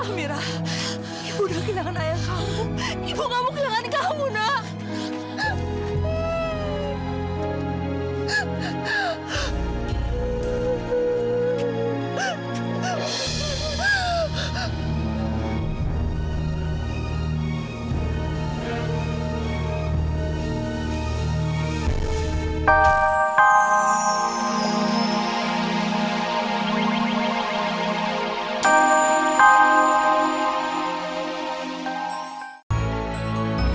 amira ibu udah kehilangan ayah kamu ibu nggak mau kehilangan kamu nak